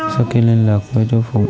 sau khi liên lạc với chú phùng